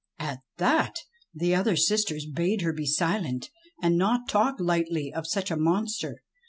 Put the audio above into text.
; At that the other sisters bade her be silent and not talk I I lightly of such a monster.